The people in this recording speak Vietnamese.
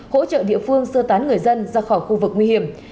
hỗ trợ địa phương sơ tán người dân ra khỏi khu vực nguy hiểm